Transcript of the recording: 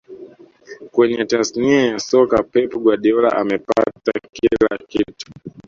Kwenye tasnia ya soka pep guardiola amepata kila kitu